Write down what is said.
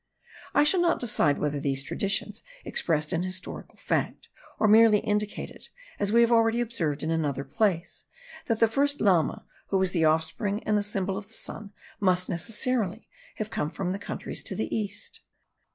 I shall not decide whether these traditions expressed an historical fact, or merely indicated, as we have already observed in another place, that the first Lama, who was the offspring and symbol of the sun, must necessarily have come from the countries of the East.